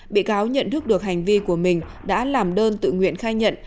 bị cáo nhận thức được hành vi của mình đã làm đơn tự nguyện khai nhận